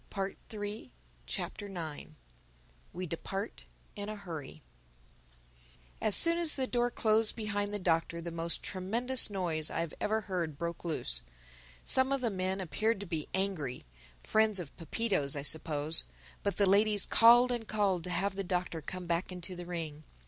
THE NINTH CHAPTER WE DEPART IN A HURRY AS soon as the door closed behind the Doctor the most tremendous noise I have ever heard broke loose. Some of the men appeared to be angry (friends of Pepito's, I suppose); but the ladies called and called to have the Doctor come back into the ring.